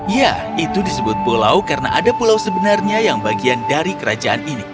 ya itu disebut pulau karena ada pulau sebenarnya yang bagian dari kerajaan ini